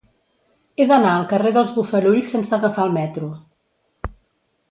He d'anar al carrer dels Bofarull sense agafar el metro.